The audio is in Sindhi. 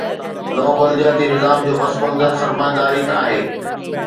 نوآبادياتي نظام جو پس منظر سرمائيداري آهي.